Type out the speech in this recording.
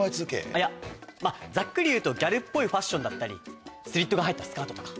いやまぁざっくり言うとギャルっぽいファッションだったりスリットが入ったスカートとか。